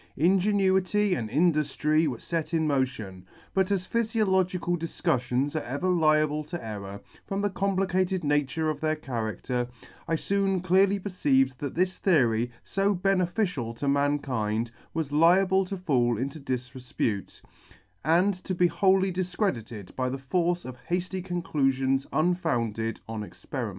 Ingenuity and induftry were fet in motion : but as phyfiological difcuftions are ever liable to error, from the complicated nature of their character, I foon clearly perceived that this theory, fo beneficial to mankind, was liable to fall into difrepute, and to be wholly difcredited by the force of hafty conclusions unfounded on experiment.